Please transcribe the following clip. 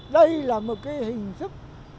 đây là một cái hình thức